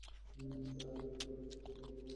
আর এতগুলা রাবার একসাথে পোড়ালে পুরো শহর টের পেয়ে যাবে।